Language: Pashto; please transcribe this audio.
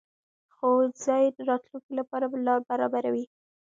ښوونځی د راتلونکي لپاره لار برابروي